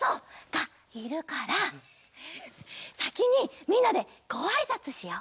がいるからさきにみんなでごあいさつしよう。